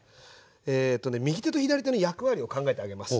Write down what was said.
えっとね右手の左手の役割を考えてあげます。